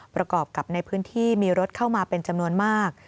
ประกอบกับในพื้นที่มีรถเข้ามาเป็นจำนวนมาก